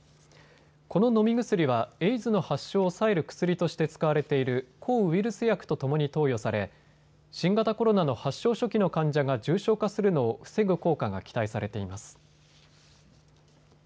この飲み薬はエイズの発症を抑える薬として使われている抗ウイルス薬と共に投与され新型コロナの発症初期の患者が重症化するのを防ぐ効果が期待されています。